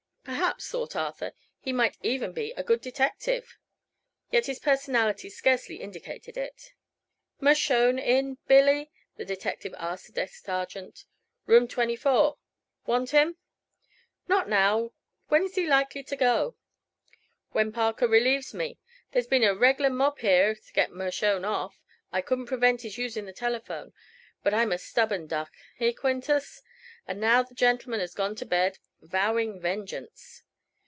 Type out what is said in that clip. Perhaps, thought Arthur, he might even be a good detective! yet his personality scarcely indicated it. "Mershone in, Billy?" the detective asked the desk sergeant. "Room 24. Want him?" "Not now. When is he likely to go?" "When Parker relieves me. There's been a reg'lar mob here to get Mershone off. I couldn't prevent his using the telephone; but I'm a stubborn duck; eh, Quintus? And now the gentleman has gone to bed, vowing vengeance."